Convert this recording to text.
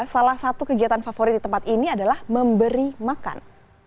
salah satu kegiatan favorit di tempat ini adalah memberi makan